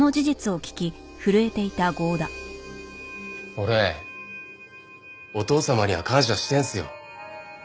俺お父様には感謝してるんすよ。